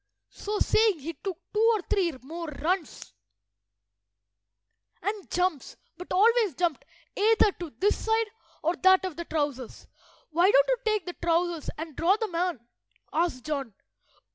so saying he took two or three more runs and jumps, but always jumped either to this side or that of the trousers. "Why don't you take the trousers and draw them on?" asked John.